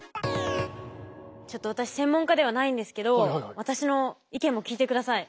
ちょっと私専門家ではないんですけど私の意見も聞いてください。